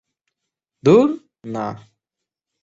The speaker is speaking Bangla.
ধুর, না।